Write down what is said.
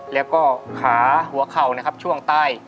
แล้วก็ขาหัวเข่านะครับช่วงใต้